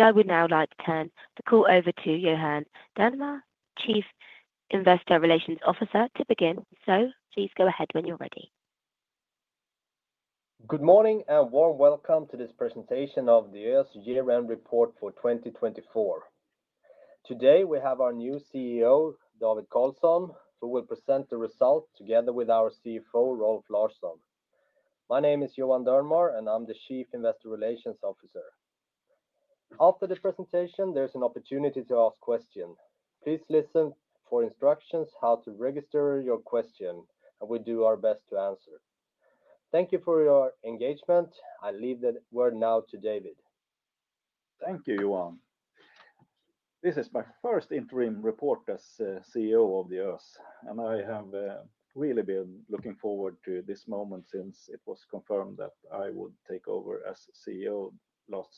I would now like to call over to Johan Dernmar, Chief Investor Relations Officer, to begin. So please go ahead when you're ready. Good morning and a warm welcome to this presentation of Diös year-end report for 2024. Today we have our new CEO, David Carlsson, who will present the result together with our CFO, Rolf Larsson. My name is Johan Dernmar, and I'm the Chief Investor Relations Officer. After the presentation, there's an opportunity to ask questions. Please listen for instructions on how to register your question, and we'll do our best to answer. Thank you for your engagement. I'll leave the word now to David. Thank you, Johan. This is my first interim report as CEO of Diös, and I have really been looking forward to this moment since it was confirmed that I would take over as CEO last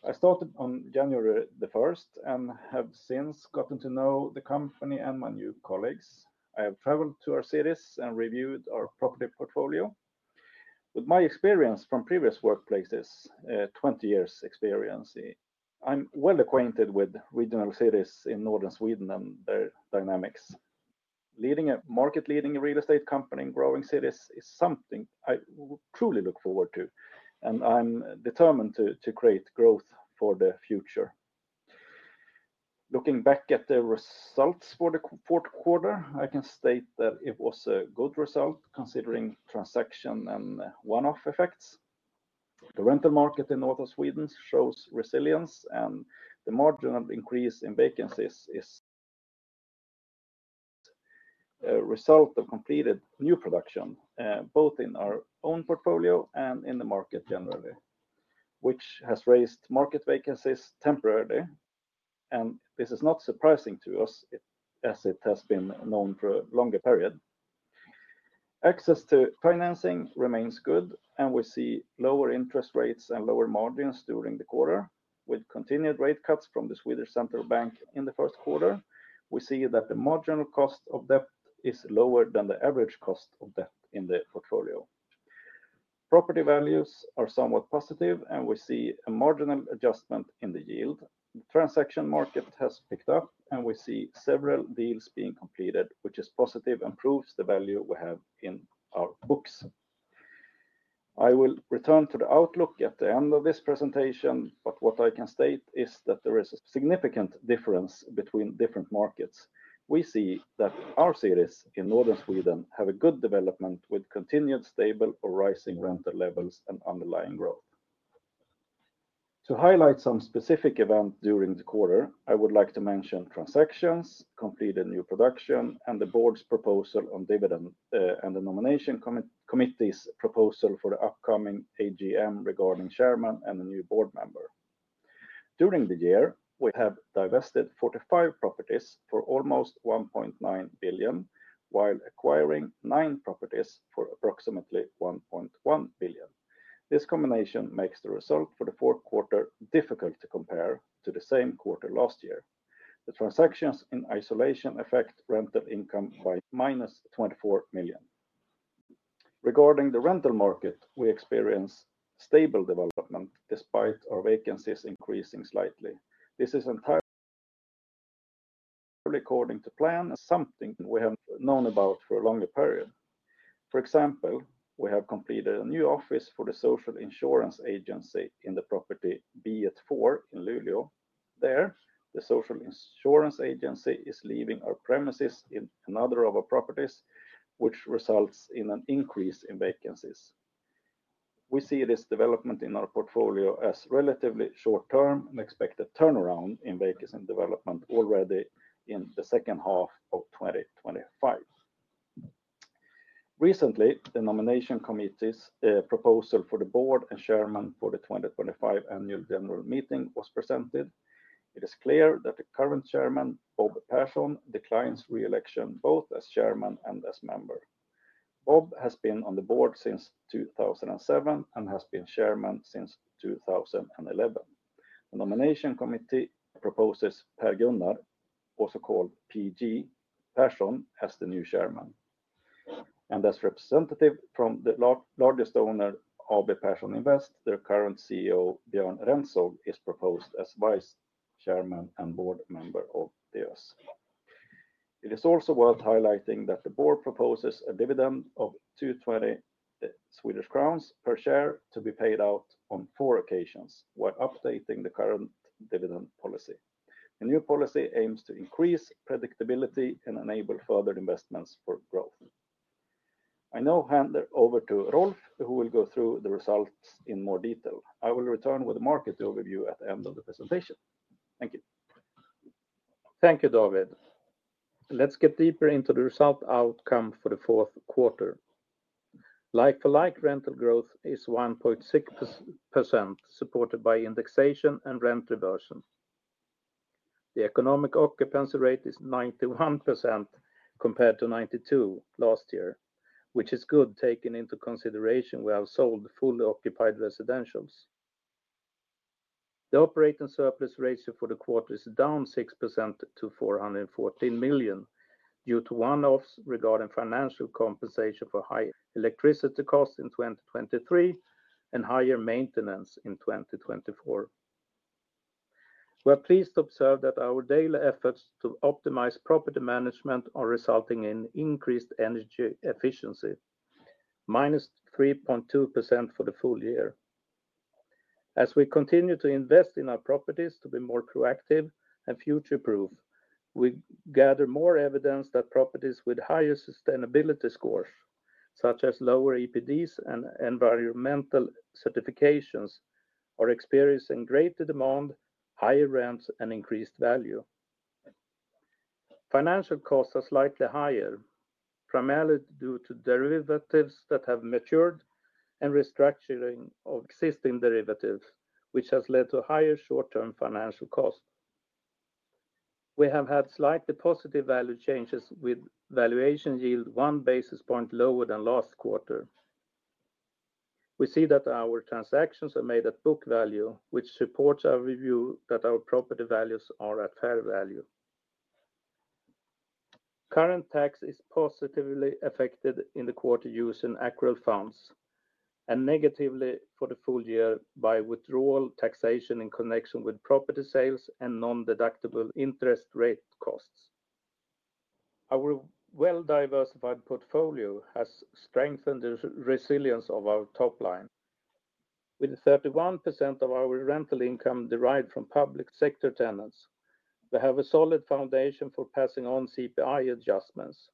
summer. I started on January the 1st and have since gotten to know the company and my new colleagues. I have traveled to our cities and reviewed our property portfolio. With my experience from previous workplaces, 20 years' experience, I'm well acquainted with regional cities in northern Sweden and their dynamics. Leading a market-leading real estate company in growing cities is something I truly look forward to, and I'm determined to create growth for the future. Looking back at the results for the fourth quarter, I can state that it was a good result considering transaction and one-off effects. The rental market in northern Sweden shows resilience, and the margin of increase in vacancies is a result of completed new production, both in our own portfolio and in the market generally, which has raised market vacancies temporarily, and this is not surprising to us, as it has been known for a longer period. Access to financing remains good, and we see lower interest rates and lower margins during the quarter. With continued rate cuts from the Swedish central bank in the first quarter, we see that the marginal cost of debt is lower than the average cost of debt in the portfolio. Property values are somewhat positive, and we see a marginal adjustment in the yield. The transaction market has picked up, and we see several deals being completed, which is positive and proves the value we have in our books. I will return to the outlook at the end of this presentation, but what I can state is that there is a significant difference between different markets. We see that our cities in northern Sweden have a good development with continued stable or rising rental levels and underlying growth. To highlight some specific events during the quarter, I would like to mention transactions, completed new production, and the board's proposal on dividend and the nomination committee's proposal for the upcoming AGM regarding Chairman and a new board member. During the year, we have divested 45 properties for almost 1.9 billion, while acquiring nine properties for approximately 1.1 billion. This combination makes the result for the fourth quarter difficult to compare to the same quarter last year. The transactions in isolation affect rental income by minus 24 million. Regarding the rental market, we experience stable development despite our vacancies increasing slightly. This is entirely according to plan and something we have known about for a longer period. For example, we have completed a new office for the Social Insurance Agency in the property Biet 4 in Luleå. There, the Social Insurance Agency is leaving our premises in another of our properties, which results in an increase in vacancies. We see this development in our portfolio as relatively short-term and expected turnaround in vacancy development already in the second half of 2025. Recently, the nomination committee's proposal for the board and Chairman for the 2025 annual general meeting was presented. It is clear that the current Chairman, Bob Persson, declines re-election both as Chairman and as member. Bob has been on the board since 2007 and has been Chairman since 2011. The nomination committee proposes Per-Gunnar, also called P-G Persson, as the new Chairman. As representative from the largest owner, AB Persson Invest, the current CEO, Björn Rensmo, is proposed as Vice Chairman and board member of the Diös Fastigheter AB. It is also worth highlighting that the board proposes a dividend of 2.20 Swedish crowns per share to be paid out on four occasions, while updating the current dividend policy. The new policy aims to increase predictability and enable further investments for growth. I now hand it over to Rolf, who will go through the results in more detail. I will return with a market overview at the end of the presentation. Thank you. Thank you, David. Let's get deeper into the result outcome for the fourth quarter. Like-for-like rental growth is 1.6%, supported by indexation and rent reversion. The economic occupancy rate is 91% compared to 92% last year, which is good taken into consideration we have sold fully occupied residentials. The operating surplus ratio for the quarter is down 6% to 414 million due to one-offs regarding financial compensation for high electricity costs in 2023 and higher maintenance in 2024. We are pleased to observe that our daily efforts to optimize property management are resulting in increased energy efficiency, minus 3.2% for the full year. As we continue to invest in our properties to be more proactive and future-proof, we gather more evidence that properties with higher sustainability scores, such as lower EPDs and environmental certifications, are experiencing greater demand, higher rents, and increased value. Financial costs are slightly higher, primarily due to derivatives that have matured and restructuring of existing derivatives, which has led to higher short-term financial costs. We have had slightly positive value changes with valuation yield one basis point lower than last quarter. We see that our transactions are made at book value, which supports our view that our property values are at fair value. Current tax is positively affected in the quarter used in accrual funds and negatively for the full year by withdrawal taxation in connection with property sales and non-deductible interest rate costs. Our well-diversified portfolio has strengthened the resilience of our top line. With 31% of our rental income derived from public sector tenants, we have a solid foundation for passing on CPI adjustments.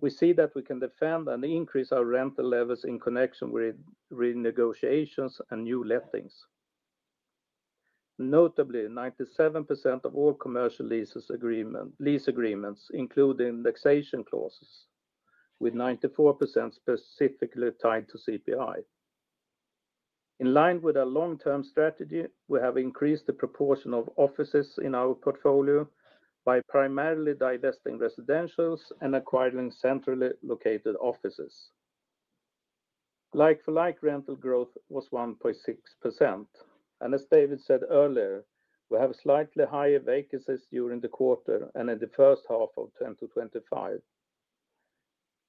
We see that we can defend and increase our rental levels in connection with renegotiations and new lettings. Notably, 97% of all commercial lease agreements include indexation clauses, with 94% specifically tied to CPI. In line with our long-term strategy, we have increased the proportion of offices in our portfolio by primarily divesting residentials and acquiring centrally located offices. Like-for-like rental growth was 1.6%. As David said earlier, we have slightly higher vacancies during the quarter and in the first half of 2025.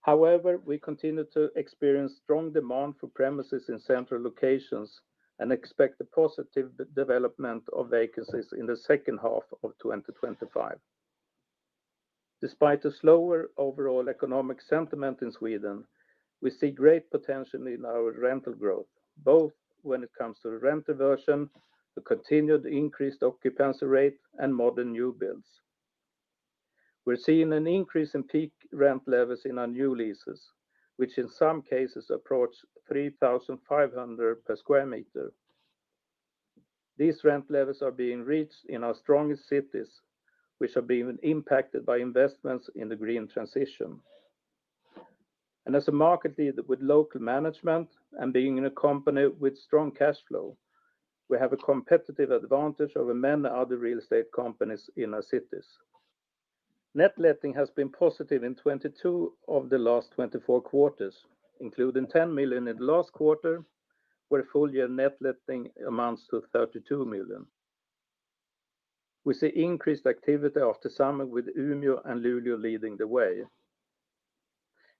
However, we continue to experience strong demand for premises in central locations and expect a positive development of vacancies in the second half of 2025. Despite a slower overall economic sentiment in Sweden, we see great potential in our rental growth, both when it comes to rent reversion, the continued increased occupancy rate, and modern new builds. We're seeing an increase in peak rent levels in our new leases, which in some cases approach 3,500 per sq m. These rent levels are being reached in our strongest cities, which have been impacted by investments in the green transition. As a market leader with local management and being in a company with strong cash flow, we have a competitive advantage over many other real estate companies in our cities. Net letting has been positive in 22 of the last 24 quarters, including 10 million in the last quarter, where full-year net letting amounts to 32 million. We see increased activity after summer, with Umeå and Luleå leading the way.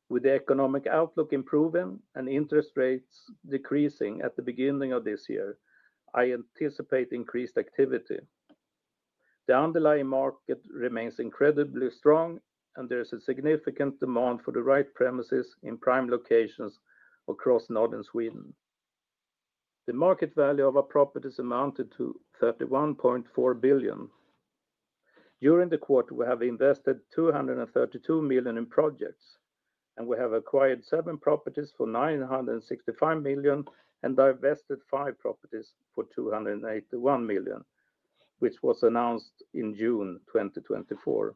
With the economic outlook improving and interest rates decreasing at the beginning of this year, I anticipate increased activity. The underlying market remains incredibly strong, and there is a significant demand for the right premises in prime locations across northern Sweden. The market value of our properties amounted to 31.4 billion. During the quarter, we have invested 232 million in projects, and we have acquired seven properties for 965 million and divested five properties for 281 million, which was announced in June 2024.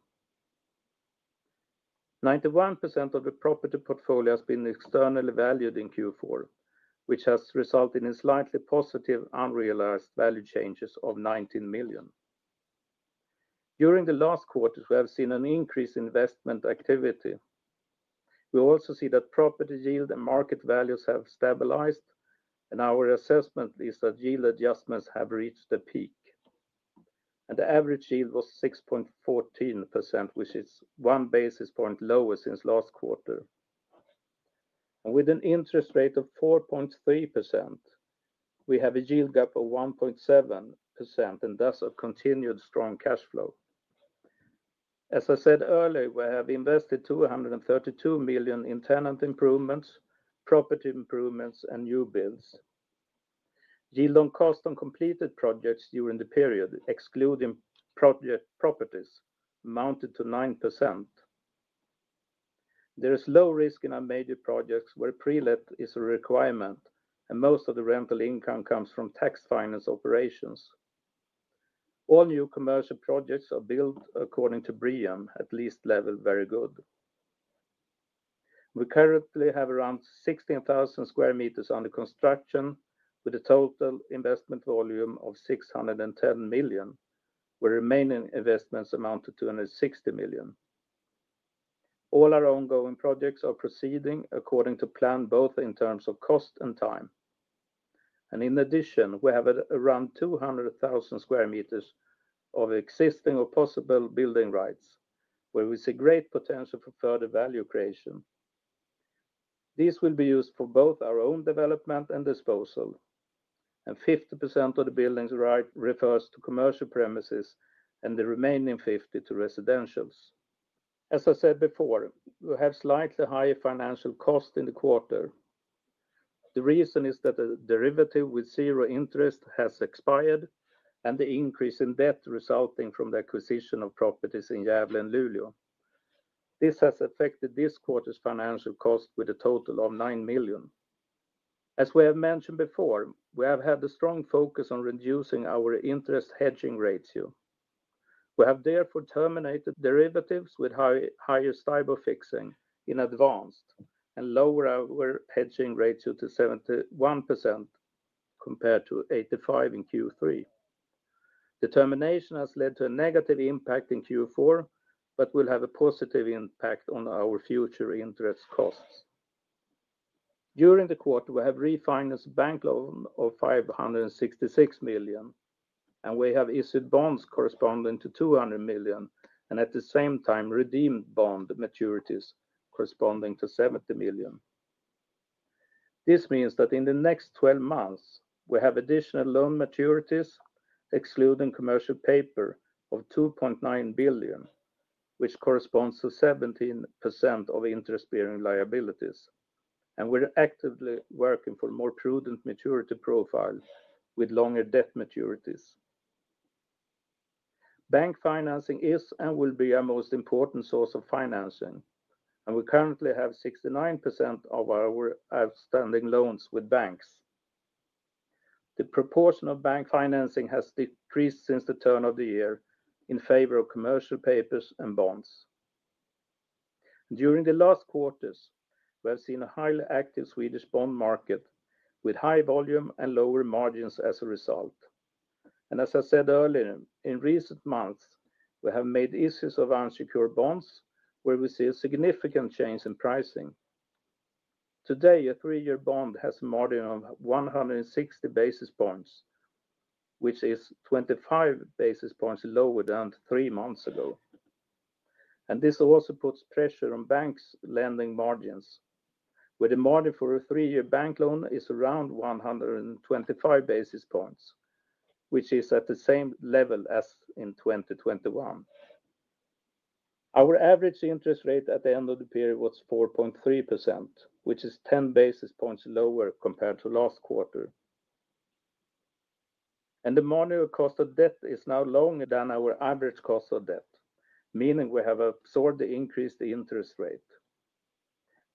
91% of the property portfolio has been externally valued in Q4, which has resulted in slightly positive unrealized value changes of 19 million. During the last quarter, we have seen an increase in investment activity. We also see that property yield and market values have stabilized, and our assessment is that yield adjustments have reached a peak, and the average yield was 6.14%, which is one basis point lower since last quarter, and with an interest rate of 4.3%, we have a yield gap of 1.7% and thus a continued strong cash flow. As I said earlier, we have invested 232 million in tenant improvements, property improvements, and new builds. Yield on cost on completed projects during the period, excluding project properties, amounted to 9%. There is low risk in our major projects where pre-let is a requirement, and most of the rental income comes from tax-financed operations. All new commercial projects are built according to BREEAM, at least level very good. We currently have around 16,000 square meters under construction, with a total investment volume of 610 million, where remaining investments amount to 260 million. All our ongoing projects are proceeding according to plan, both in terms of cost and time. And in addition, we have around 200,000 square meters of existing or possible building rights, where we see great potential for further value creation. These will be used for both our own development and disposal. And 50% of the buildings refers to commercial premises and the remaining 50% to residential. As I said before, we have slightly higher financial costs in the quarter. The reason is that the derivative with zero interest has expired and the increase in debt resulting from the acquisition of properties in Gävle and Luleå. This has affected this quarter's financial cost with a total of 9 million. As we have mentioned before, we have had a strong focus on reducing our interest hedging ratio. We have therefore terminated derivatives with higher STIBOR fixing in advance and lowered our hedging ratio to 71% compared to 85% in Q3. The termination has led to a negative impact in Q4, but will have a positive impact on our future interest costs. During the quarter, we have refinanced a bank loan of 566 million, and we have issued bonds corresponding to 200 million and at the same time redeemed bond maturities corresponding to 70 million. This means that in the next 12 months, we have additional loan maturities, excluding commercial paper, of 2.9 billion, which corresponds to 17% of interest-bearing liabilities. We're actively working for a more prudent maturity profile with longer debt maturities. Bank financing is and will be our most important source of financing, and we currently have 69% of our outstanding loans with banks. The proportion of bank financing has decreased since the turn of the year in favor of commercial papers and bonds. During the last quarters, we have seen a highly active Swedish bond market with high volume and lower margins as a result, and as I said earlier, in recent months, we have made issues of unsecured bonds, where we see a significant change in pricing. Today, a three-year bond has a margin of 160 basis points, which is 25 basis points lower than three months ago, and this also puts pressure on banks' lending margins, where the margin for a three-year bank loan is around 125 basis points, which is at the same level as in 2021. Our average interest rate at the end of the period was 4.3%, which is 10 basis points lower compared to last quarter. The marginal cost of debt is now longer than our average cost of debt, meaning we have absorbed the increased interest rate.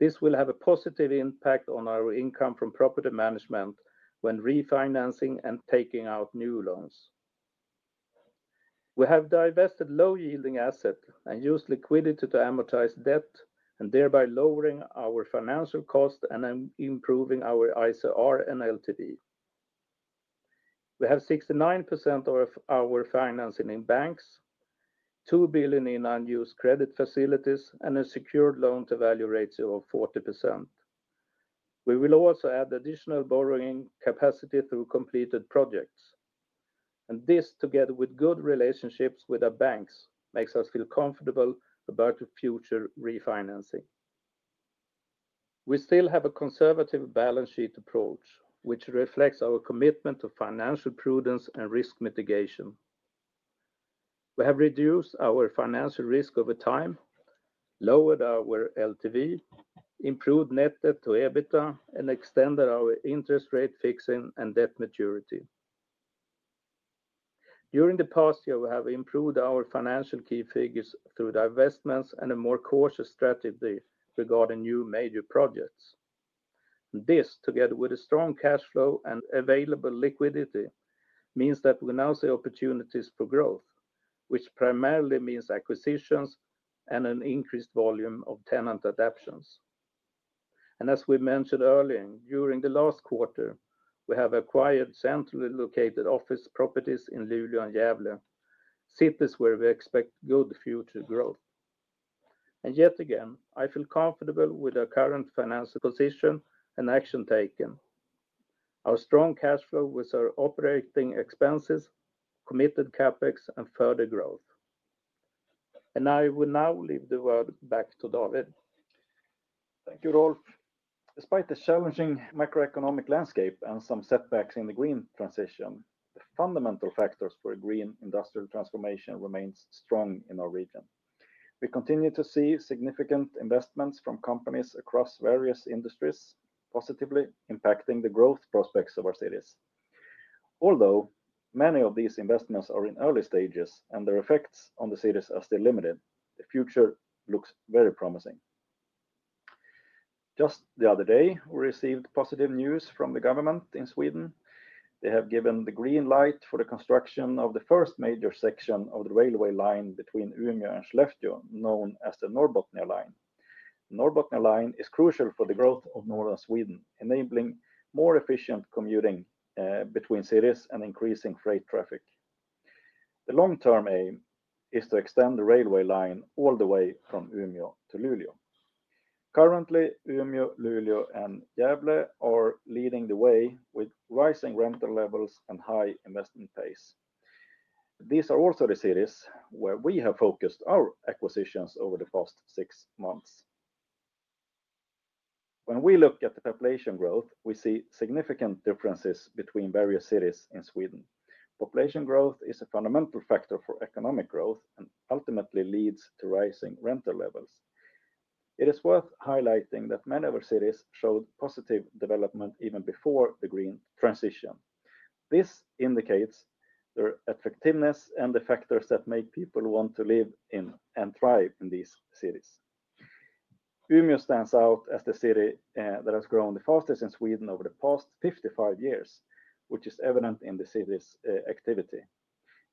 This will have a positive impact on our income from property management when refinancing and taking out new loans. We have divested low-yielding assets and used liquidity to amortize debt and thereby lowering our financial costs and improving our ICR and LTV. We have 69% of our financing in banks, 2 billion in unused credit facilities, and a secured loan-to-value ratio of 40%. We will also add additional borrowing capacity through completed projects. This, together with good relationships with our banks, makes us feel comfortable about future refinancing. We still have a conservative balance sheet approach, which reflects our commitment to financial prudence and risk mitigation. We have reduced our financial risk over time, lowered our LTV, improved net debt to EBITDA, and extended our interest rate fixing and debt maturity. During the past year, we have improved our financial key figures through divestments and a more cautious strategy regarding new major projects. And this, together with a strong cash flow and available liquidity, means that we now see opportunities for growth, which primarily means acquisitions and an increased volume of tenant adoptions. And as we mentioned earlier, during the last quarter, we have acquired centrally located office properties in Luleå and Gävle, cities where we expect good future growth. And yet again, I feel comfortable with our current financial position and action taken. Our strong cash flow with our operating expenses, committed CapEx, and further growth. I will now leave the word back to David. Thank you, Rolf. Despite the challenging macroeconomic landscape and some setbacks in the green transition, the fundamental factors for a green industrial transformation remain strong in our region. We continue to see significant investments from companies across various industries, positively impacting the growth prospects of our cities. Although many of these investments are in early stages and their effects on the cities are still limited, the future looks very promising. Just the other day, we received positive news from the government in Sweden. They have given the green light for the construction of the first major section of the railway line between Umeå and Skellefteå, known as the Norrbotnia Line. The Norrbotnia Line is crucial for the growth of northern Sweden, enabling more efficient commuting between cities and increasing freight traffic. The long-term aim is to extend the railway line all the way from Umeå to Luleå. Currently, Umeå, Luleå, and Gävle are leading the way with rising rental levels and high investment pace. These are also the cities where we have focused our acquisitions over the past six months. When we look at the population growth, we see significant differences between various cities in Sweden. Population growth is a fundamental factor for economic growth and ultimately leads to rising rental levels. It is worth highlighting that many of our cities showed positive development even before the green transition. This indicates their effectiveness and the factors that make people want to live in and thrive in these cities. Umeå stands out as the city that has grown the fastest in Sweden over the past 55 years, which is evident in the city's activity.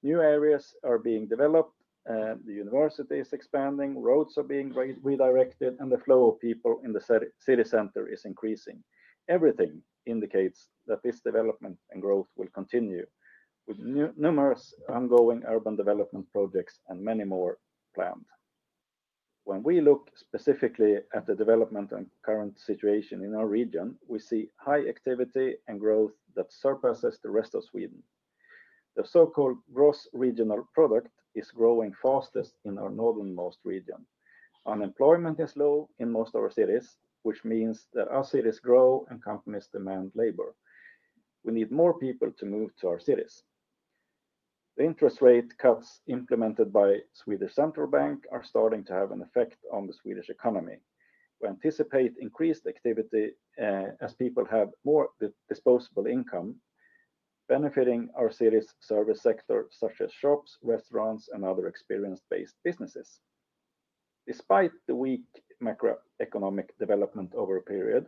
New areas are being developed, the university is expanding, roads are being redirected, and the flow of people in the city center is increasing. Everything indicates that this development and growth will continue, with numerous ongoing urban development projects and many more planned. When we look specifically at the development and current situation in our region, we see high activity and growth that surpasses the rest of Sweden. The so-called gross regional product is growing fastest in our northernmost region. Unemployment is low in most of our cities, which means that our cities grow and companies demand labor. We need more people to move to our cities. The interest rate cuts implemented by the Swedish central bank are starting to have an effect on the Swedish economy. We anticipate increased activity as people have more disposable income, benefiting our cities' service sector, such as shops, restaurants, and other experience-based businesses. Despite the weak macroeconomic development over a period,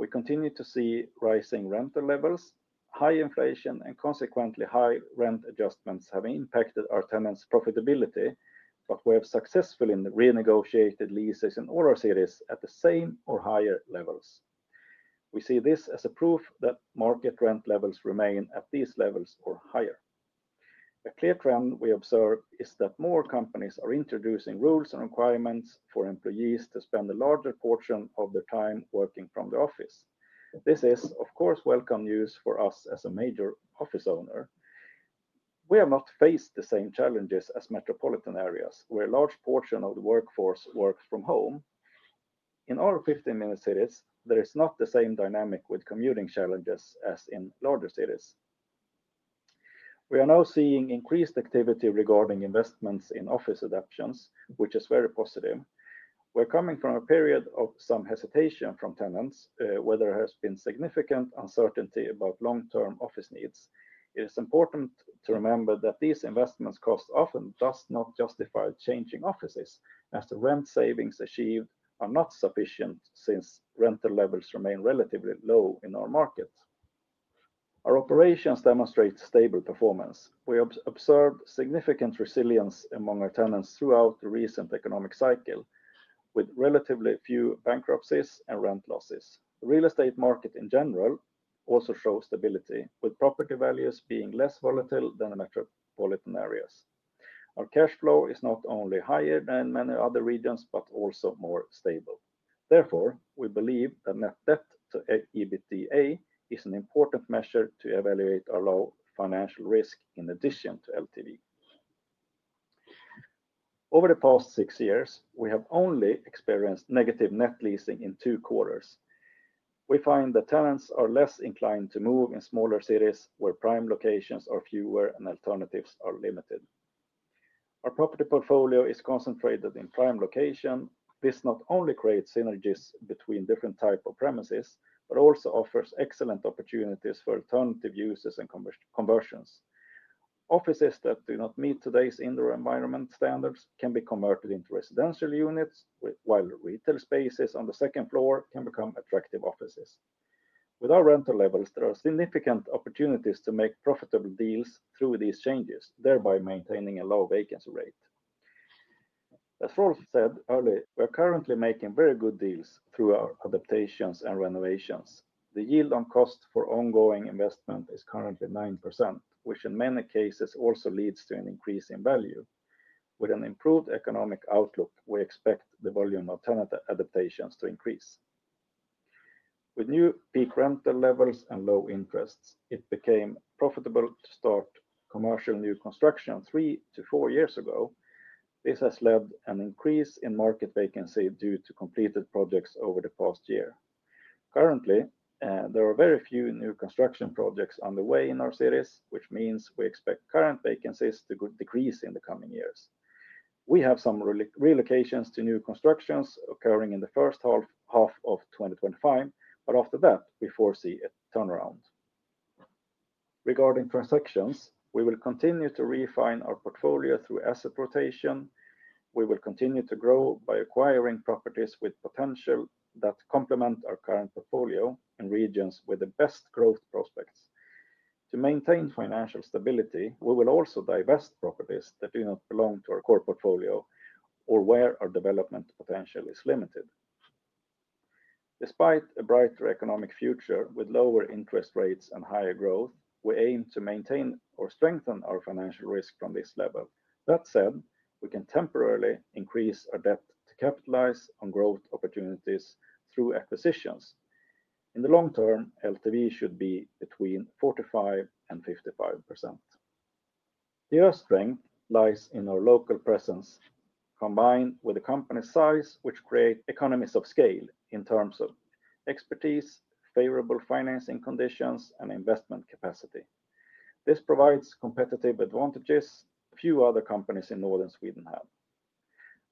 we continue to see rising rental levels, high inflation, and consequently high rent adjustments have impacted our tenants' profitability, but we have successfully renegotiated leases in all our cities at the same or higher levels. We see this as proof that market rent levels remain at these levels or higher. A clear trend we observe is that more companies are introducing rules and requirements for employees to spend a larger portion of their time working from the office. This is, of course, welcome news for us as a major office owner. We have not faced the same challenges as metropolitan areas, where a large portion of the workforce works from home. In our 15-minute cities, there is not the same dynamic with commuting challenges as in larger cities. We are now seeing increased activity regarding investments in office adaptations, which is very positive. We're coming from a period of some hesitation from tenants, whether there has been significant uncertainty about long-term office needs. It is important to remember that these investment costs often do not justify changing offices, as the rent savings achieved are not sufficient since rental levels remain relatively low in our market. Our operations demonstrate stable performance. We observed significant resilience among our tenants throughout the recent economic cycle, with relatively few bankruptcies and rent losses. The real estate market in general also shows stability, with property values being less volatile than in metropolitan areas. Our cash flow is not only higher than in many other regions, but also more stable. Therefore, we believe that net debt to EBITDA is an important measure to evaluate our low financial risk in addition to LTV. Over the past six years, we have only experienced negative net letting in two quarters. We find that tenants are less inclined to move in smaller cities where prime locations are fewer and alternatives are limited. Our property portfolio is concentrated in prime locations. This not only creates synergies between different types of premises, but also offers excellent opportunities for alternative uses and conversions. Offices that do not meet today's indoor environment standards can be converted into residential units, while retail spaces on the second floor can become attractive offices. With our rental levels, there are significant opportunities to make profitable deals through these changes, thereby maintaining a low vacancy rate. As Rolf said earlier, we are currently making very good deals through our adaptations and renovations. The yield on cost for ongoing investment is currently 9%, which in many cases also leads to an increase in value. With an improved economic outlook, we expect the volume of tenant adaptations to increase. With new peak rental levels and low interests, it became profitable to start commercial new construction three to four years ago. This has led to an increase in market vacancy due to completed projects over the past year. Currently, there are very few new construction projects underway in our cities, which means we expect current vacancies to decrease in the coming years. We have some relocations to new constructions occurring in the first half of 2025, but after that, we foresee a turnaround. Regarding transactions, we will continue to refine our portfolio through asset rotation. We will continue to grow by acquiring properties with potential that complement our current portfolio in regions with the best growth prospects. To maintain financial stability, we will also divest properties that do not belong to our core portfolio or where our development potential is limited. Despite a brighter economic future with lower interest rates and higher growth, we aim to maintain or strengthen our financial risk from this level. That said, we can temporarily increase our debt to capitalize on growth opportunities through acquisitions. In the long term, LTV should be between 45% and 55%. The other strength lies in our local presence, combined with the company's size, which creates economies of scale in terms of expertise, favorable financing conditions, and investment capacity. This provides competitive advantages few other companies in Northern Sweden have.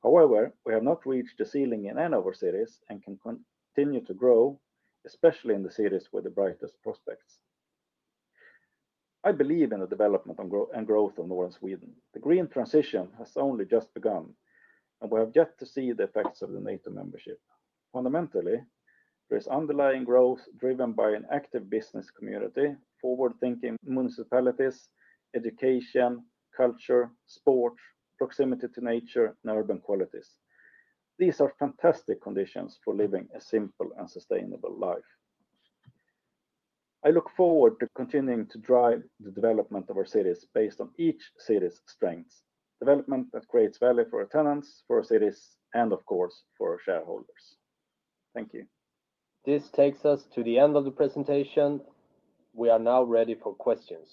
However, we have not reached the ceiling in any of our cities and can continue to grow, especially in the cities with the brightest prospects. I believe in the development and growth of Northern Sweden. The green transition has only just begun, and we have yet to see the effects of the NATO membership. Fundamentally, there is underlying growth driven by an active business community, forward-thinking municipalities, education, culture, sports, proximity to nature, and urban qualities. These are fantastic conditions for living a simple and sustainable life. I look forward to continuing to drive the development of our cities based on each city's strengths, development that creates value for our tenants, for our cities, and of course, for our shareholders. Thank you. This takes us to the end of the presentation. We are now ready for questions.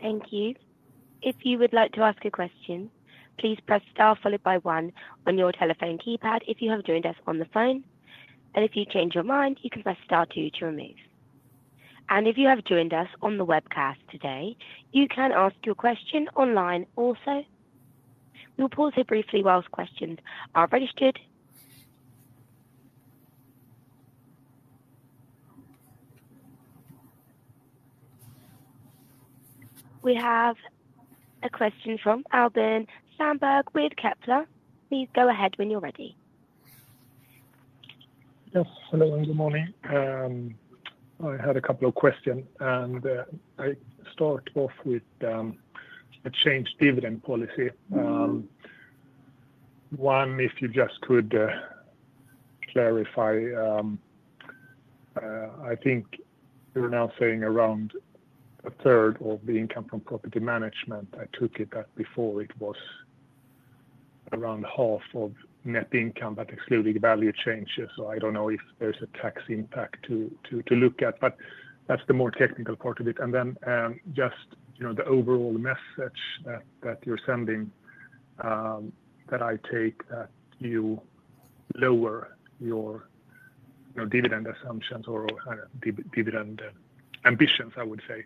Thank you. If you would like to ask a question, please press Star followed by One on your telephone keypad if you have joined us on the phone, and if you change your mind, you can press Star Two to remove. If you have joined us on the webcast today, you can ask your question online also. We'll pause here briefly while questions are registered. We have a question from Albin Sandberg with Kepler. Please go ahead when you're ready. Yes, hello, and good morning. I had a couple of questions, and I start off with a change dividend policy. One, if you just could clarify, I think you're now saying around a third of the income from property management. I took it that before it was around half of net income, that excluding value changes. So I don't know if there's a tax impact to look at, but that's the more technical part of it. Then just the overall message that you're sending, that I take that you lower your dividend assumptions or dividend ambitions, I would say,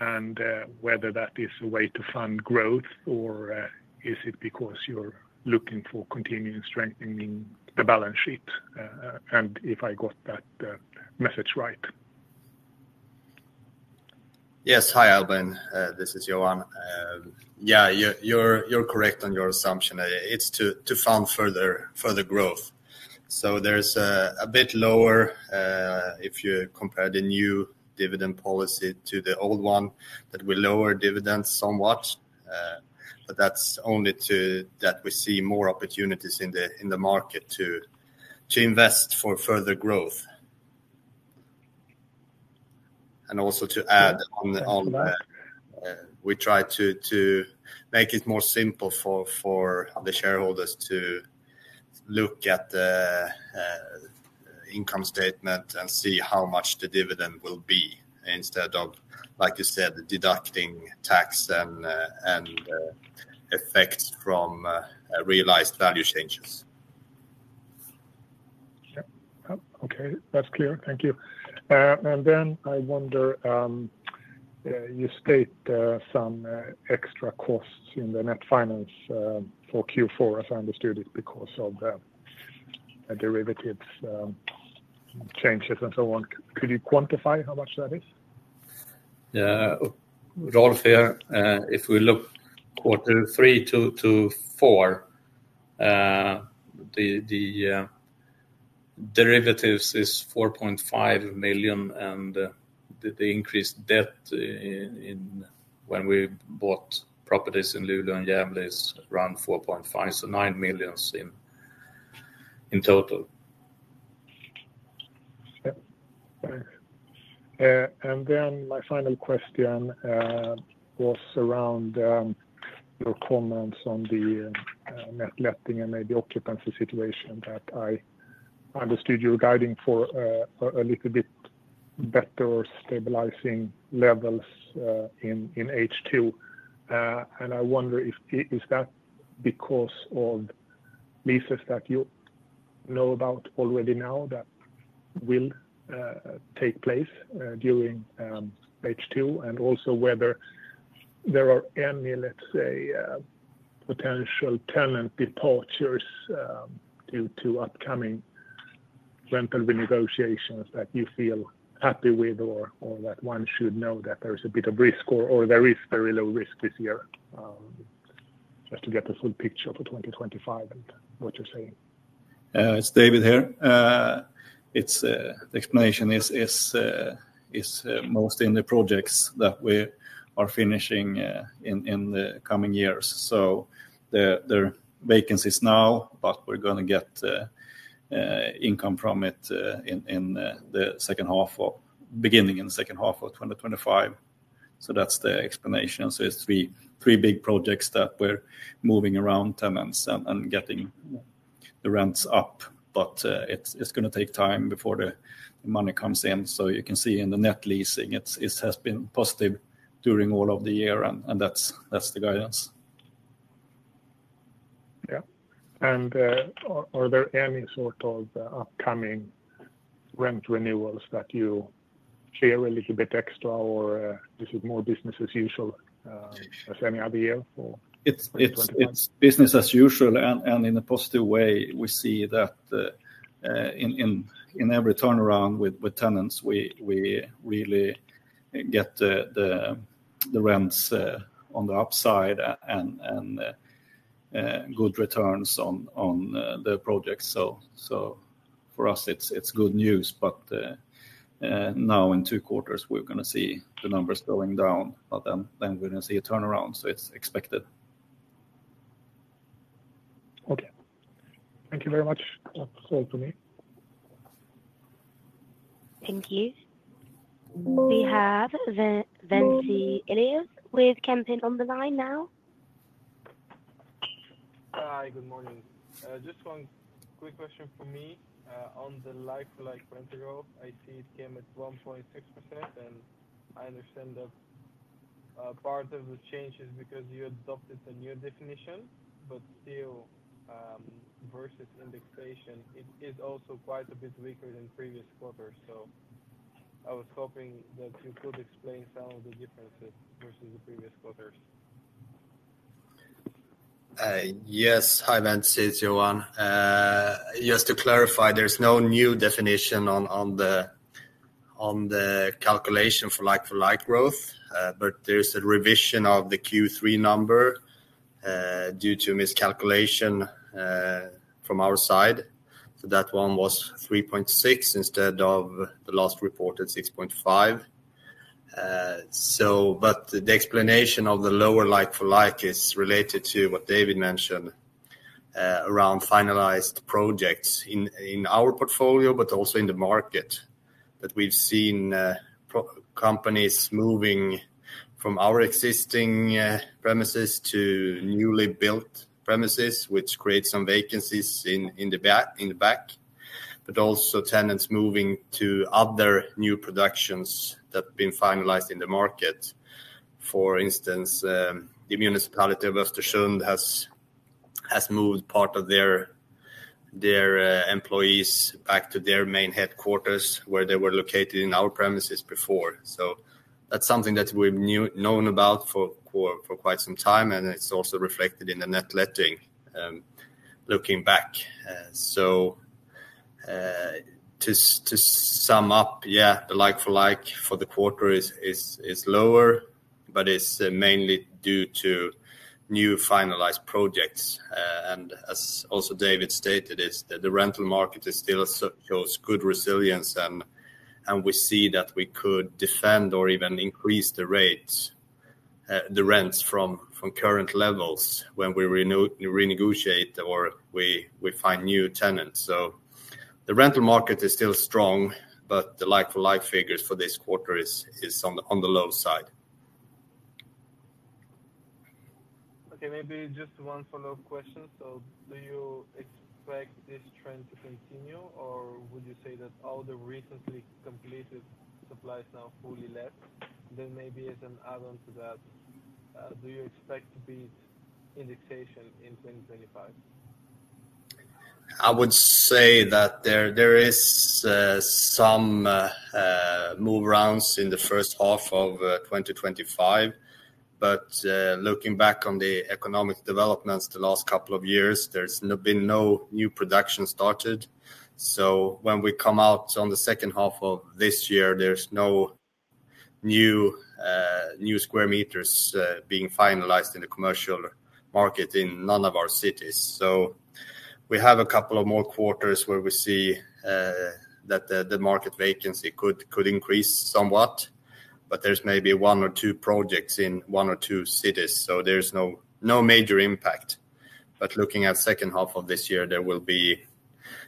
and whether that is a way to fund growth or is it because you're looking for continuing strengthening the balance sheet, and if I got that message right. Yes, hi, Albin. This is Johan. Yeah, you're correct on your assumption. It's to fund further growth. So there's a bit lower, if you compare the new dividend policy to the old one, that we lower dividends somewhat, but that's only to that we see more opportunities in the market to invest for further growth. And also to add on, we try to make it more simple for the shareholders to look at the income statement and see how much the dividend will be instead of, like you said, deducting tax and effects from realized value changes. Okay, that's clear. Thank you. And then I wonder, you state some extra costs in the net finance for Q4, as I understood it, because of the derivatives changes and so on. Could you quantify how much that is? Rolf here, if we look quarter three to four, the derivatives is 4.5 million, and the increased debt when we bought properties in Luleå and Gävle is around SEK 4.5 million, so SEK 9 million in total. And then my final question was around your comments on the net letting and maybe occupancy situation that I understood you're guiding for a little bit better or stabilizing levels in H2. I wonder if that's because of leases that you know about already now that will take place during H2, and also whether there are any, let's say, potential tenant departures due to upcoming rental renegotiations that you feel happy with or that one should know that there is a bit of risk or there is very low risk this year just to get the full picture for 2025 and what you're saying? It's David here. The explanation is mostly in the projects that we are finishing in the coming years. There are vacancies now, but we're going to get income from it beginning in the second half of 2025. That's the explanation. It's three big projects that we're moving around tenants and getting the rents up, but it's going to take time before the money comes in. So you can see in the net letting, it has been positive during all of the year, and that's the guidance. Yeah. And are there any sort of upcoming rent renewals that you share a little bit extra, or is it more business as usual as any other year? It's business as usual, and in a positive way. We see that in every turnaround with tenants, we really get the rents on the upside and good returns on the projects. So for us, it's good news, but now in two quarters, we're going to see the numbers going down, but then we're going to see a turnaround, so it's expected. Okay. Thank you very much. That's all for me. Thank you. We have Ventsi Iliev with Kempen on the line now. Hi, good morning. Just one quick question for me. On the like-for-like rental growth, I see it came at 1.6%, and I understand that part of the change is because you adopted the new definition, but still, versus indexation, it is also quite a bit weaker than previous quarters. So I was hoping that you could explain some of the differences versus the previous quarters. Yes. Hi, Ventsi. It's Johan. Just to clarify, there's no new definition on the calculation for like-for-like growth, but there's a revision of the Q3 number due to miscalculation from our side. So that one was 3.6% instead of the last reported 6.5%. But the explanation of the lower like-for-like is related to what David mentioned around finalized projects in our portfolio, but also in the market, that we've seen companies moving from our existing premises to newly built premises, which creates some vacancies in the wake, but also tenants moving to other new projects that have been finalized in the market. For instance, the municipality of Östersund has moved part of their employees back to their main headquarters where they were located in our premises before. So that's something that we've known about for quite some time, and it's also reflected in the net letting looking back. So to sum up, yeah, the like-for-like for the quarter is lower, but it's mainly due to new finalized projects. As also David stated, the rental market still shows good resilience, and we see that we could defend or even increase the rents from current levels when we renegotiate or we find new tenants. The rental market is still strong, but the like-for-like figures for this quarter are on the low side. Okay. Maybe just one follow-up question. Do you expect this trend to continue, or would you say that all the recently completed supplies now fully left? Maybe as an add-on to that, do you expect to beat indexation in 2025? I would say that there is some move-arounds in the first half of 2025, but looking back on the economic developments the last couple of years, there's been no new production started. So when we come out on the second half of this year, there's no new square meters being finalized in the commercial market in none of our cities. So we have a couple of more quarters where we see that the market vacancy could increase somewhat, but there's maybe one or two projects in one or two cities, so there's no major impact. But looking at the second half of this year,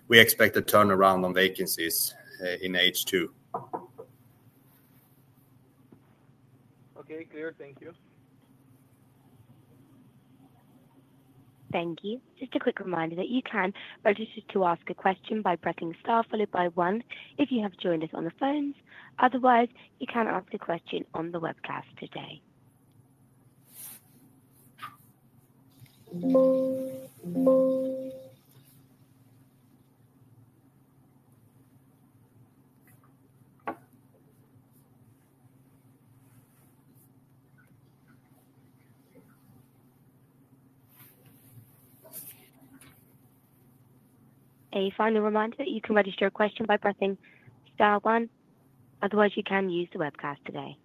we expect a turnaround on vacancies in H2. Okay. Clear. Thank you. Thank you. Just a quick reminder that you can register to ask a question by pressing Star followed by one if you have joined us on the phones. Otherwise, you can ask a question on the webcast today. A final reminder that you can register a question by pressing star one. Otherwise, you can use the webcast today.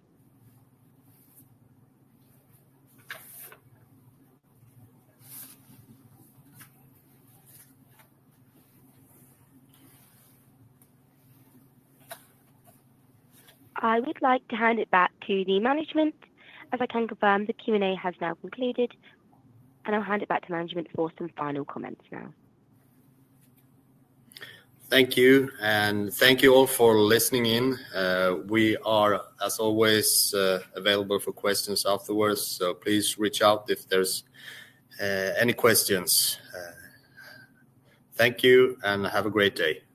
I would like to hand it back to the management, as I can confirm the Q&A has now concluded, and I'll hand it back to management for some final comments now. Thank you. And thank you all for listening in. We are, as always, available for questions afterwards, so please reach out if there's any questions. Thank you, and have a great day.